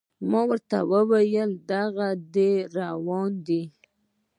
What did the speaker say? ورته مې وویل: هاغه دی را روان دی.